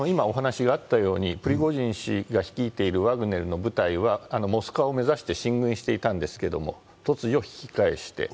プリゴジン氏が率いているワグネルの部隊はモスクワを目指して進軍していたんですが突如、引き返して。